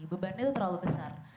beban itu terlalu besar